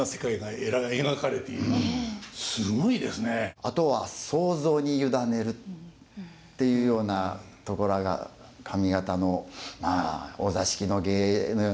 あとは想像に委ねるっていうようなところが上方のまあお座敷の芸のような気がいたします。